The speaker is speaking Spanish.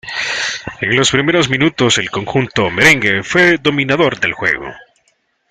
En los primeros minutos, el conjunto "merengue" fue dominador del juego.